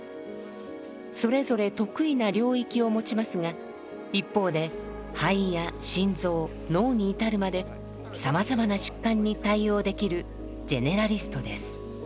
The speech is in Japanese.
それぞれ得意な領域を持ちますが一方で肺や心臓脳に至るまでさまざまな疾患に対応できるジェネラリストです。